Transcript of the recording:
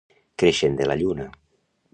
Creixent de la lluna.